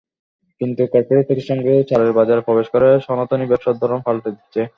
কিন্তু করপোরেট প্রতিষ্ঠানগুলো চালের বাজারে প্রবেশ করে সনাতনী ব্যবসার ধরন পাল্টে দিচ্ছে।